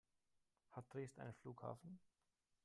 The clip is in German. Hat Dresden einen Flughafen?